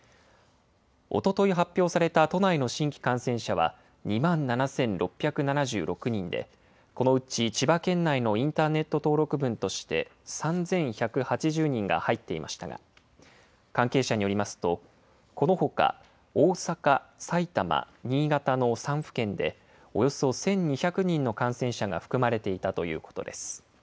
おととい発表された都内の新規感染者は２万７６７６人で、このうち、千葉県内のインターネット登録分として、３１８０人が入っていましたが、関係者によりますと、このほか大阪、埼玉、新潟の３府県で、およそ１２００人の感染者が含まれていたということです。